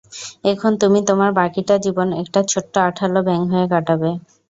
এখন তুমি তোমার বাকিটা জীবন একটা ছোট্ট আঠালো ব্যাঙ হয়ে কাটাবে।